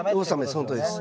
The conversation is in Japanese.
そのとおりです。